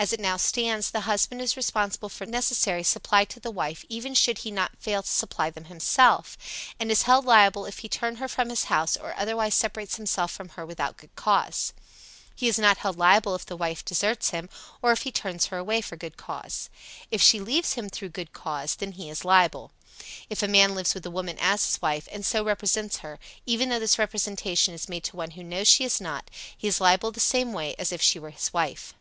As it now stands the husband is responsible for necessaries supplied to the wife even should he not fail to supply them himself, and is held liable if he turn her from his house, or otherwise separates himself from her without good cause. He is not held liable if the wife deserts him, or if he turns her away for good cause. If she leaves him through good cause, then he is liable. If a man lives with a woman as his wife, and so represents her, even though this representation is made to one who knows she is not, he is liable the same way as if she were his wife.